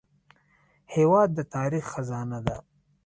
هېواد د تاریخ خزانه ده.